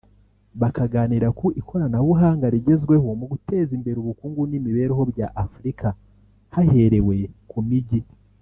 bakaganira ku ikoranabuhanga rigezweho mu guteza imbere ubukungu n’imibereho bya Afurika haherewe ku mijyi